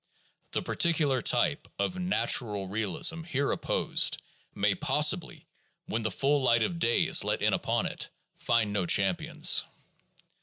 The particular type of "natural" realism here opposed may possibly, when the full light of day is let in upon it, find no champions.